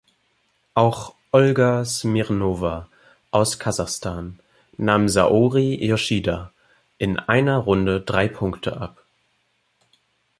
Auch Olga Smirnowa aus Kasachstan nahm Saori Yoshida in einer Runde drei Punkte ab.